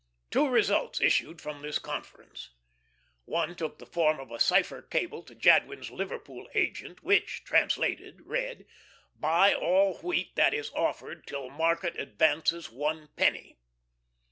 Two results issued from this conference. One took the form of a cipher cable to Jadwin's Liverpool agent, which, translated, read: "Buy all wheat that is offered till market advances one penny."